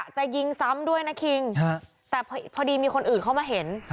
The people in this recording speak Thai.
จะยิงซ้ำด้วยนะคิงแต่พอดีมีคนอื่นเข้ามาเห็น